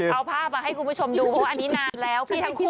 เอาภาพมาให้คุณผู้ชมดูเพราะว่าอันนี้นานแล้วพี่ทั้งคู่